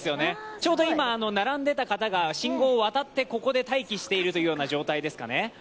ちょうど並んでいた方が信号を渡ってここで待機しているという状態ですかね。